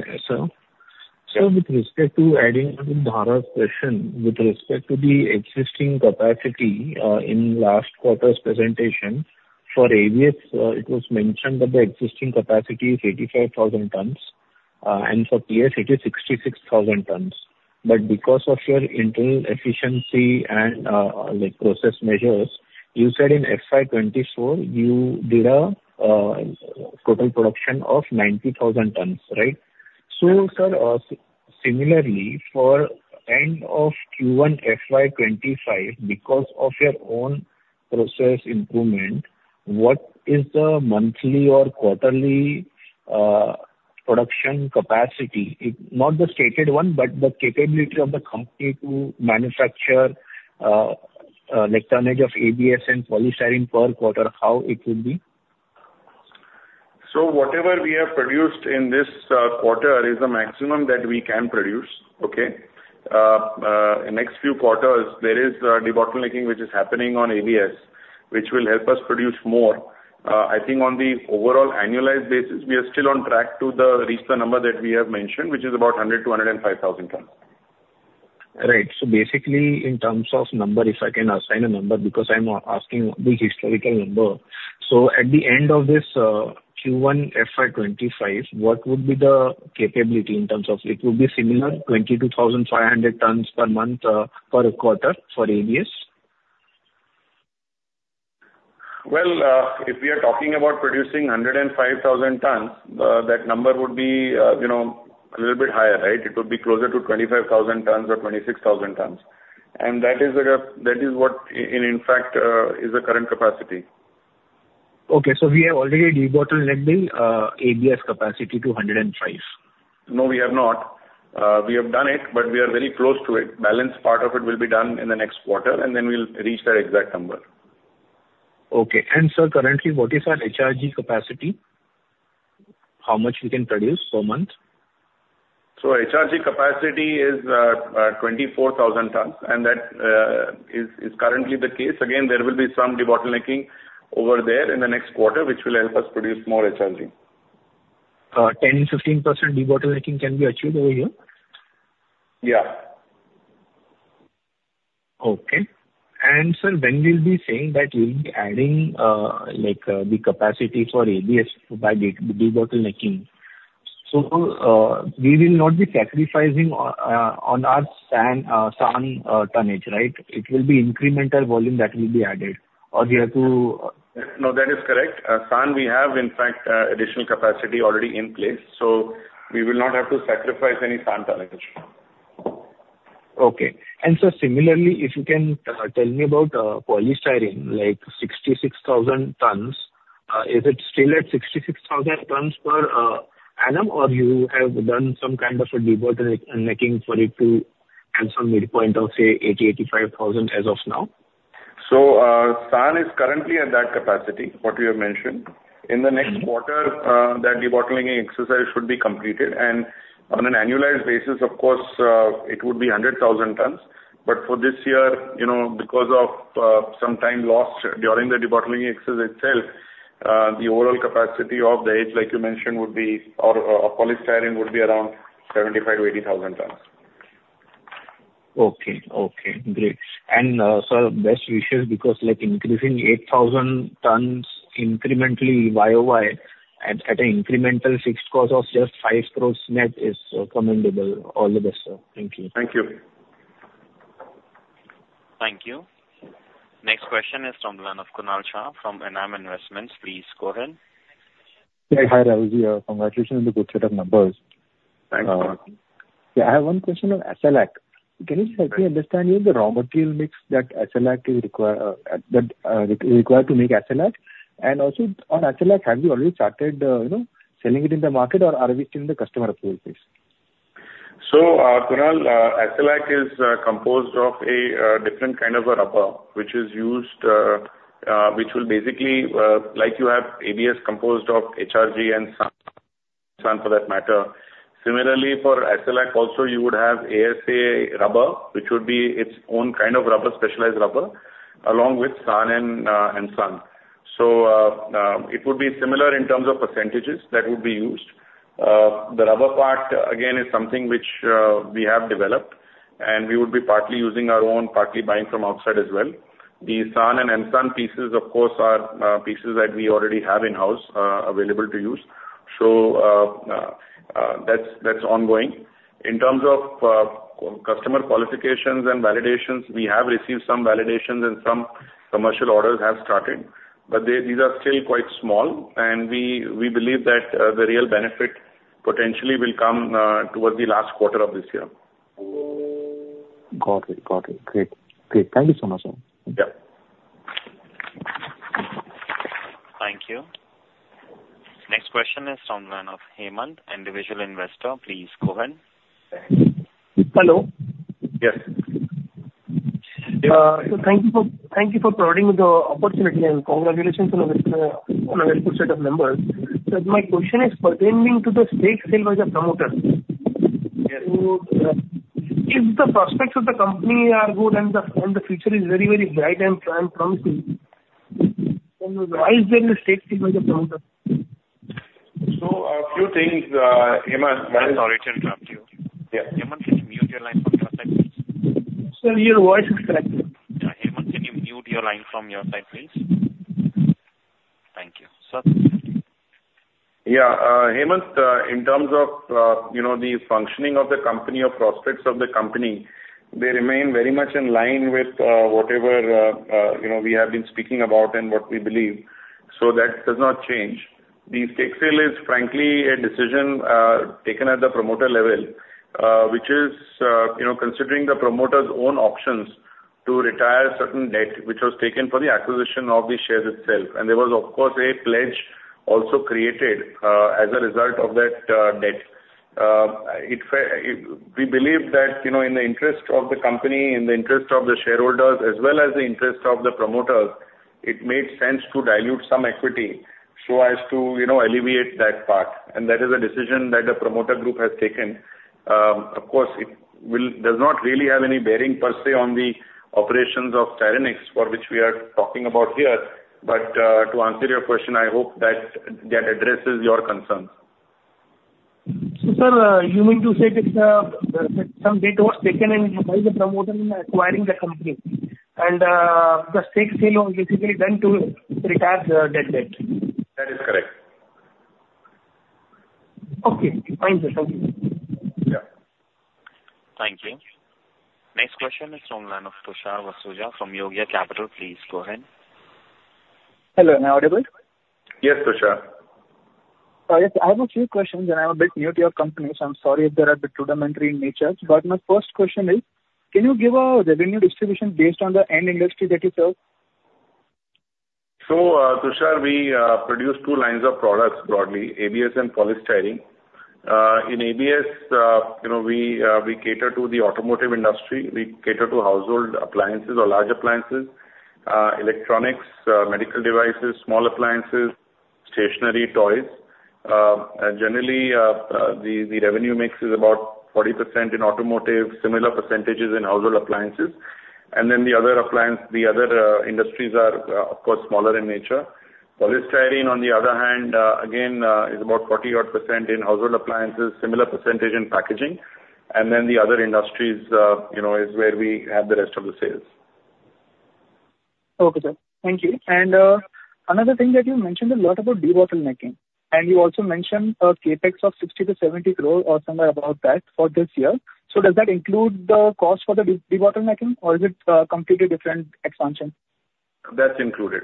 sir. So with respect to Aditya Dhara's question, with respect to the existing capacity in last quarter's presentation for ABS, it was mentioned that the existing capacity is 85,000 tons, and for PS, it is 66,000 tons. But because of your internal efficiency and process measures, you said in FY24, you did a total production of 90,000 tons, right? So, sir, similarly, for end of Q1 FY25, because of your own process improvement, what is the monthly or quarterly production capacity? Not the stated one, but the capability of the company to manufacture a tonnage of ABS and Polystyrene per quarter, how it would be? So whatever we have produced in this quarter is the maximum that we can produce, okay? In the next few quarters, there is de-bottlenecking which is happening on ABS, which will help us produce more. I think on the overall annualized basis, we are still on track to reach the number that we have mentioned, which is about 100-105,000 tons. Right, so basically, in terms of number, if I can assign a number because I'm asking the historical number, so at the end of this Q1 FY25, what would be the capability in terms of it would be similar 22,500 tons per month per quarter for ABS? If we are talking about producing 105,000 tons, that number would be a little bit higher, right? It would be closer to 25,000 tons or 26,000 tons. That is what, in fact, is the current capacity. Okay. So we have already de-bottlenecked the ABS capacity to 105? No, we have not. We have done it, but we are very close to it. Balance part of it will be done in the next quarter, and then we'll reach that exact number. Okay. And, sir, currently, what is our HRG capacity? How much we can produce per month? So HRG capacity is 24,000 tons, and that is currently the case. Again, there will be some de-bottlenecking over there in the next quarter, which will help us produce more HRG. 10%-15% de-bottlenecking can be achieved over here? Yeah. Okay. And, sir, when we'll be saying that we'll be adding the capacity for ABS by de-bottlenecking, so we will not be sacrificing on our SAN tonnage, right? It will be incremental volume that will be added. Or do you have to? No, that is correct. SAN, we have, in fact, additional capacity already in place. So we will not have to sacrifice any SAN tonnage. Okay. And, sir, similarly, if you can tell me about Polystyrene, like 66,000 tons, is it still at 66,000 tons per annum, or you have done some kind of a de-bottlenecking for it to have some midpoint of, say, 80, 85 thousand as of now? SAN is currently at that capacity, what you have mentioned. In the next quarter, that de-bottlenecking exercise should be completed. On an annualized basis, of course, it would be 100,000 tons. For this year, because of some time lost during the de-bottlenecking exercise itself, the overall capacity of the HIPS, like you mentioned, would be or polystyrene would be around 75,000-80,000 tons. Okay. Okay. Great. And, sir, best wishes because increasing 8,000 tons incrementally YOY at an incremental fixed cost of just 5 crores net is commendable. All the best, sir. Thank you. Thank you. Thank you. Next question is from Kunal Shah from Enam Investments. Please go ahead. Hi, sir. Congratulations on the good set of numbers. Thanks. Yeah. I have one question on ASA. Can you help me understand, you have the raw material mix that ASA is required to make ASA? And also, on ASA, have you already started selling it in the market, or are we still in the customer approval phase? So, Kunal, ASA is composed of a different kind of rubber, which is used, which will basically like you have ABS composed of HRG and SAN for that matter. Similarly, for ASA also, you would have ASA rubber, which would be its own kind of rubber, specialized rubber, along with SAN and SAN. So it would be similar in terms of percentages that would be used. The rubber part, again, is something which we have developed, and we would be partly using our own, partly buying from outside as well. The SAN and SAN pieces, of course, are pieces that we already have in-house available to use. So that's ongoing. In terms of customer qualifications and validations, we have received some validations, and some commercial orders have started. But these are still quite small, and we believe that the real benefit potentially will come towards the last quarter of this year. Got it. Got it. Great. Great. Thank you so much, sir. Yeah. Thank you. Next question is from Hemant, Individual Investor. Please go ahead. Hello. Yes. Thank you for providing the opportunity, and congratulations on a very good set of numbers. My question is pertaining to the stake sale by the promoter. So if the prospects of the company are good and the future is very, very bright and promising, why is there a stake sale by the promoter? So a few things. Hemant, why is our agent trapped here? Yeah. Hemant, can you mute your line from your side, please? Sir, your voice is cracking. Hemant, can you mute your line from your side, please? Thank you. Sir. Yeah. Hemant, in terms of the functioning of the company or prospects of the company, they remain very much in line with whatever we have been speaking about and what we believe. So that does not change. The stake sale is, frankly, a decision taken at the promoter level, which is considering the promoter's own options to retire certain debt, which was taken for the acquisition of the shares itself. And there was, of course, a pledge also created as a result of that debt. We believe that in the interest of the company, in the interest of the shareholders, as well as the interest of the promoters, it made sense to dilute some equity so as to alleviate that part. And that is a decision that the promoter group has taken. Of course, it does not really have any bearing, per se, on the operations of Styrenix for which we are talking about here. But to answer your question, I hope that that addresses your concerns. So, sir, you mean to say that some debt was taken by the promoter in acquiring the company? And the stake sale was basically done to retire that debt? That is correct. Okay. Fine, sir. Thank you. Yeah. Thank you. Next question is from Tushar Vasoja from Yogya Capital. Please go ahead. Hello. Am I audible? Yes, Tushar. Yes. I have a few questions, and I'm a bit new to your company, so I'm sorry if they're a bit rudimentary in nature. But my first question is, can you give a revenue distribution based on the end industry that you serve? So, Tushar, we produce two lines of products broadly: ABS and Polystyrene. In ABS, we cater to the automotive industry. We cater to household appliances or large appliances, electronics, medical devices, small appliances, stationery toys. Generally, the revenue mix is about 40% in automotive, similar percentages in household appliances. And then the other industries are, of course, smaller in nature. Polystyrene, on the other hand, again, is about 40-odd% in household appliances, similar percentage in packaging. And then the other industries is where we have the rest of the sales. Okay, sir. Thank you. And another thing that you mentioned a lot about de-bottlenecking. And you also mentioned a CapEx of 60-70 crores or somewhere about that for this year. So does that include the cost for the de-bottlenecking, or is it completely different expansion? That's included.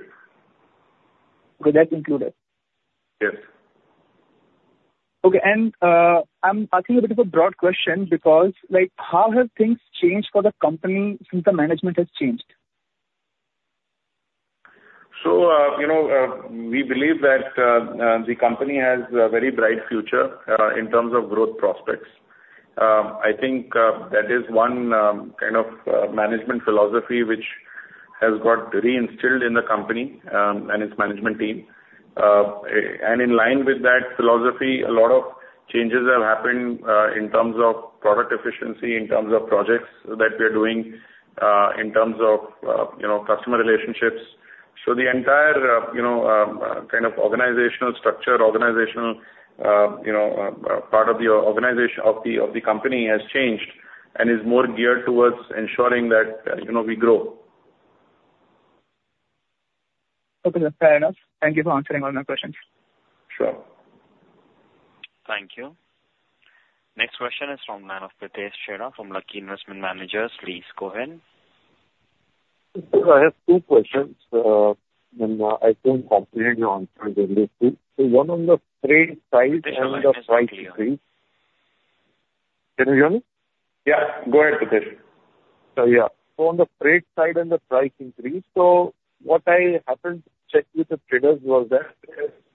Okay. That's included. Yes. Okay, and I'm asking a bit of a broad question because how have things changed for the company since the management has changed? So we believe that the company has a very bright future in terms of growth prospects. I think that is one kind of management philosophy which has got reinstilled in the company and its management team. And in line with that philosophy, a lot of changes have happened in terms of product efficiency, in terms of projects that we are doing, in terms of customer relationships. So the entire kind of organizational structure, organizational part of the organization of the company has changed and is more geared towards ensuring that we grow. Okay. That's fair enough. Thank you for answering all my questions. Sure. Thank you. Next question is from Prateek Shera from Lucky Investment Managers. Please go ahead. I have two questions. And I think I'll answer those two. So one on the freight side and the price increase. Can you hear me? Yeah. Go ahead, Prateek. Yeah. So on the freight side and the price increase, so what I happened to check with the traders was that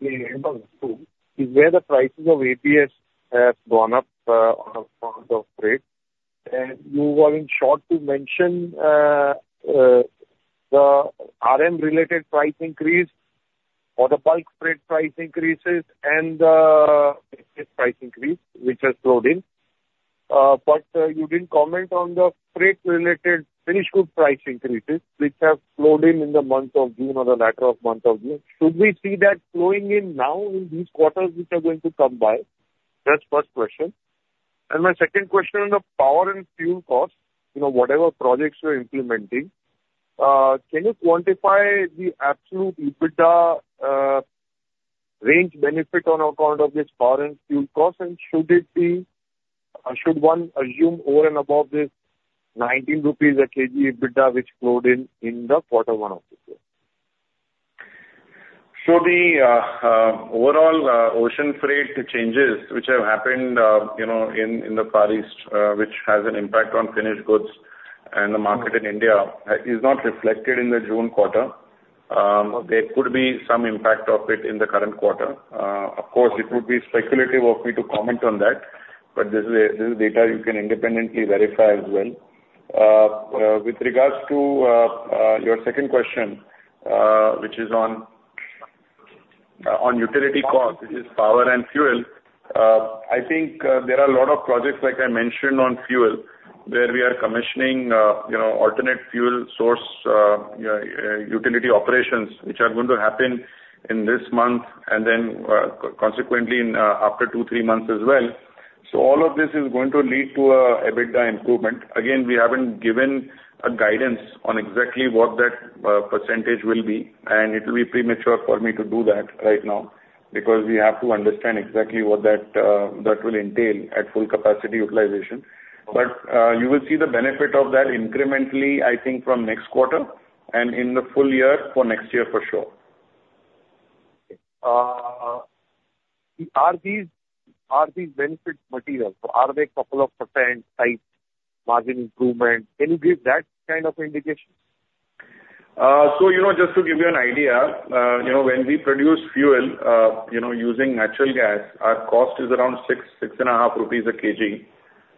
in 2022, where the prices of ABS have gone up on the freight, and you were, in short, to mention the RM-related price increase or the bulk freight price increases and the price increase, which has slowed down. But you didn't comment on the freight-related finished goods price increases, which have slowed down in the month of June or the latter half of the month of June. Should we see that slowing down now in these quarters which are going to come by? That's the first question, and my second question on the power and fuel cost, whatever projects you're implementing, can you quantify the absolute EBITDA range benefit on account of this power and fuel cost? Should one assume over and above this 19 rupees a kg EBITDA, which slowed in the quarter one of this year? So the overall ocean freight changes, which have happened in the Far East, which has an impact on finished goods and the market in India, is not reflected in the June quarter. There could be some impact of it in the current quarter. Of course, it would be speculative of me to comment on that, but this is data you can independently verify as well. With regards to your second question, which is on utility cost, which is power and fuel, I think there are a lot of projects, like I mentioned, on fuel where we are commissioning alternate fuel source utility operations, which are going to happen in this month and then consequently after two, three months as well. So all of this is going to lead to an EBITDA improvement. Again, we haven't given a guidance on exactly what that percentage will be, and it will be premature for me to do that right now because we have to understand exactly what that will entail at full capacity utilization. But you will see the benefit of that incrementally, I think, from next quarter and in the full year for next year, for sure. Are these benefits material? Are they a couple of % type margin improvement? Can you give that kind of indication? So just to give you an idea, when we produce fuel using natural gas, our cost is around 6, 6.50 rupees a kg.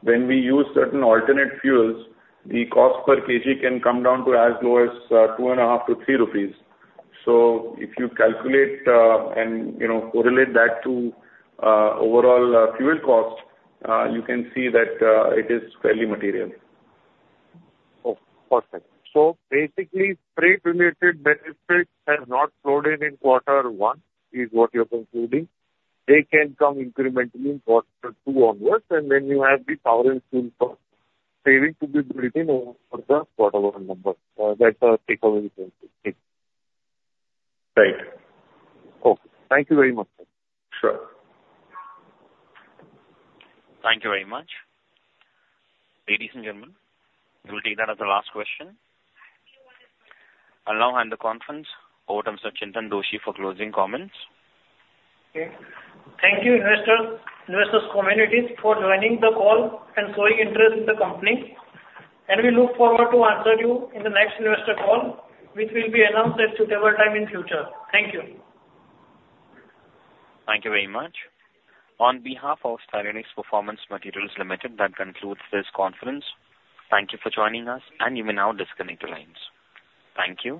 When we use certain alternate fuels, the cost per kg can come down to as low as 2.5-3 rupees. So if you calculate and correlate that to overall fuel cost, you can see that it is fairly material. Oh, perfect, so basically, freight-related benefits have not slowed in quarter one, is what you're concluding. They can come incrementally in quarter two onwards, and then you have the power and fuel cost saving to be written over the quarter one number. That's a takeaway point. Right. Okay. Thank you very much, sir. Sure. Thank you very much. Ladies and gentlemen, we will take that as the last question. I'll now hand the conference over to Mr. Chintan Doshi for closing comments. Thank you, Investors' Communities, for joining the call and showing interest in the company, and we look forward to answer you in the next investor call, which will be announced at suitable time in future. Thank you. Thank you very much. On behalf of Styrenix Performance Materials Limited, that concludes this conference. Thank you for joining us, and you may now disconnect the lines. Thank you.